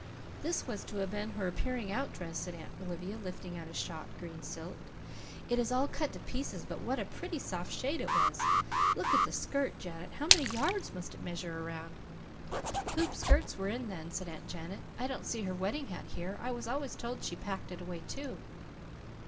"This was to have been her appearing out dress," said Aunt Olivia, lifting out a shot green silk. "It is all cut to pieces but what a pretty soft shade it was! Look at the skirt, Janet. How many yards must it measure around?" "Hoopskirts were in then," said Aunt Janet. "I don't see her wedding hat here. I was always told that she packed it away, too."